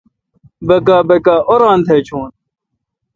بکا بکا اوران تھا چون